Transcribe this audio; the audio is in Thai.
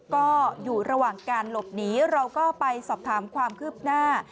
ก็อยู่ระหว่างการหลบหนีเราก็ไปสอบถามความคืบหน้า